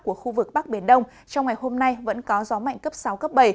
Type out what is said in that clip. của khu vực bắc biển đông trong ngày hôm nay vẫn có gió mạnh cấp sáu cấp bảy